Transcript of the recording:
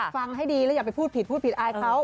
ฟังให้ดีแล้วอย่าไปพูดผิดพูดผิดอายเขา